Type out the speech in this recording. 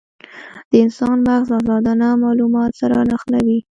د انسان مغز ازادانه مالومات سره نښلوي.